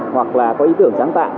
hoặc là có ý tưởng sáng tạo